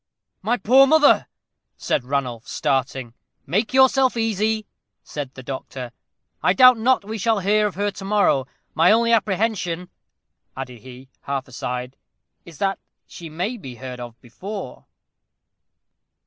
"My poor mother," said Ranulph, starting. "Make yourself easy," said the doctor; "I doubt not we shall hear of her to morrow. My only apprehension," added he, half aside, "is, that she may be heard of before."